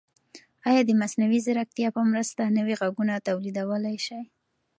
ایا د مصنوعي ځیرکتیا په مرسته نوي غږونه تولیدولای شئ؟